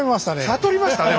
悟りましたね